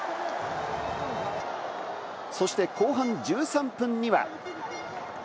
そして後半１３分には。